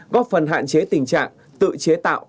góp phần hạn chế tình trạng tự chế tạo